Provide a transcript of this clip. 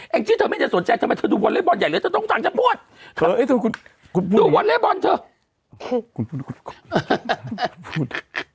แอ้งจิ๊กเธอไม่ได้สนใจทำไมเธอดูวัลเล่บอนใหญ่เหลือเธอต้องสั่งฉันพูด